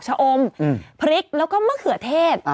ชะอมพริกแล้วก็มะเขือเทศ